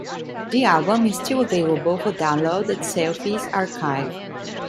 The album is still available for download at Selfies' archive.